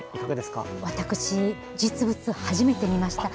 私、実物、初めて見ました。